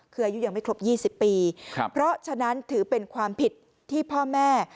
คืออายุยังไม่ครบ๒๐ปีครับเพราะฉะนั้นถือเป็นความผิดที่พ่อแม่